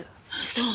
そう。